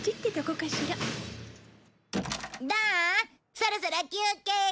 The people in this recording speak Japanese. そろそろ休憩。